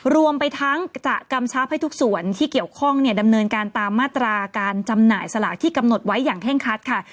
รวมไปทั้งจะกำชับให้ทุกส่วนที่เกี่ยวข้องเนี่ยดำเนินการตามมาตราการจำหน่ายสลากที่กำหนดไว้อย่างเคร่งคัดค่ะ